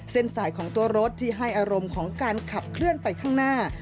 สายของตัวรถที่ให้อารมณ์ของการขับเคลื่อนไปข้างหน้า